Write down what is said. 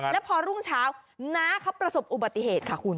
แล้วพอรุ่งเช้าน้าเขาประสบอุบัติเหตุค่ะคุณ